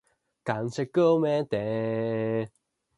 She worked as a teacher for thirteen years, beginning in Bell, California.